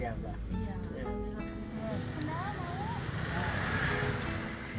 iya enak banget